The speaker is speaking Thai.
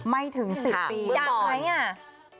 ไม่ถึง๑๐ปีค่ะเมื่อก่อนอย่างไรน่ะ